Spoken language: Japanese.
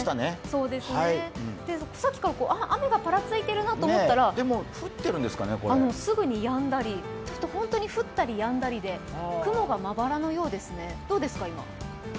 さっきから雨がぱらついてるなと思ったらすぐにやんだり本当に降ったりやんだりで、雲がまばらのようですね。